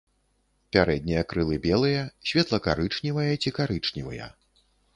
Пярэднія крылы белыя, светла-карычневыя ці карычневыя.